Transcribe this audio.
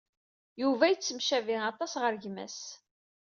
Yuba yettemcabi aṭas ɣer gma-s.